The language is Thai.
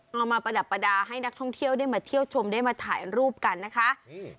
มาประดับประดาษให้นักท่องเที่ยวได้มาเที่ยวชมได้มาถ่ายรูปกันนะคะอืม